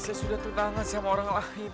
saya sudah tuntangan sama orang lain